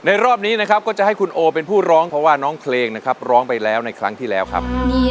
รอบนี้นะครับก็จะให้คุณโอเป็นผู้ร้องเพราะว่าน้องเพลงนะครับร้องไปแล้วในครั้งที่แล้วครับ